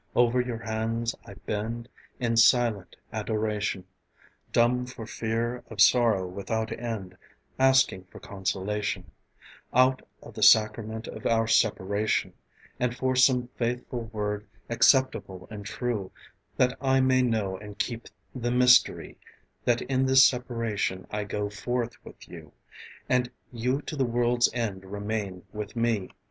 Over your hands I bend In silent adoration, Dumb for a fear of sorrow without end, Asking for consolation Out of the sacrament of our separation, And for some faithful word acceptable and true, That I may know and keep the mystery: That in this separation I go forth with you And you to the world's end remain with me.